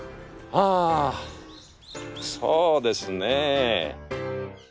あそうですね。